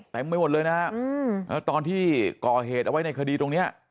แต่ไม่หมดเลยนะครับตอนที่ก่อเหตุเอาไว้ในคดีตรงเนี้ย